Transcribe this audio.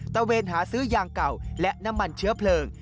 เวนหาซื้อยางเก่าและน้ำมันเชื้อเพลิง